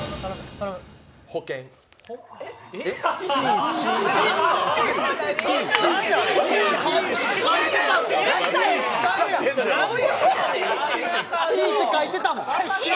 書いてたって、書いてたもん！